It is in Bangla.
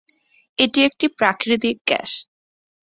এটি একটি প্রাকৃতিক গ্যাস।